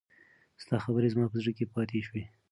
ستا خبرې زما په زړه کې پاتې شوې.